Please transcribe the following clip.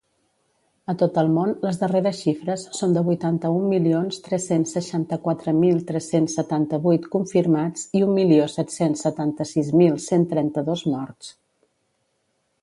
A tot el món, les darreres xifres són de vuitanta-un milions tres-cents seixanta-quatre mil tres-cents setanta-vuit confirmats i un milió set-cents setanta-sis mil cent trenta-dos morts.